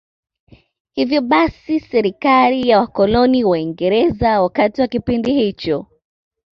Hivyo basi serikali ya wakoloni Waingereza wakati wa kipindi hicho